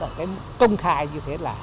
ở cái công khai như thế là